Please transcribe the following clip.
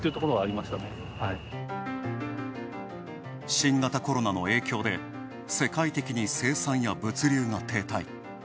新型コロナの影響で世界的に生産や物流が停滞。